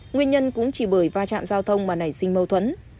nguyên nhân cũng chỉ bởi va chạm giao thông mà nảy sinh mâu thuẫn